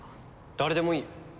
誰でもいいよ。